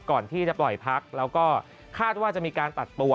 ก่อนที่จะปล่อยพักแล้วก็คาดว่าจะมีการตัดตัว